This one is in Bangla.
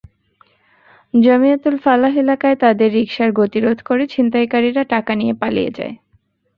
জমিয়াতুল ফালাহ এলাকায় তাঁদের রিকশার গতিরোধ করে ছিনতাইকারীরা টাকা নিয়ে পালিয়ে যায়।